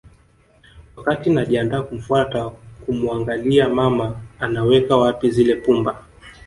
Wakatiii najiandaa kumfuata kumuangalia mama anaweka wapi zile pumba